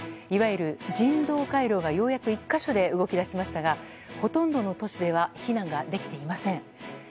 いわゆる人道回廊がようやく１か所で動き出しましたがほとんどの都市では避難ができていません。